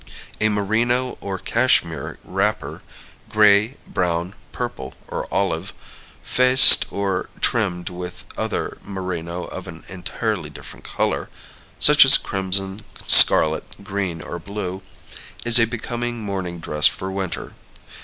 A merino or cashmere wrapper (gray, brown, purple, or olive), faced or trimmed with other merino of an entirely different color (such as crimson, scarlet, green, or blue), is a becoming morning dress for winter.